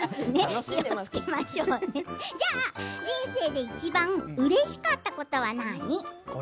人生でいちばんうれしかったことは何？